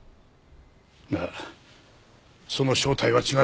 がその正体は違った。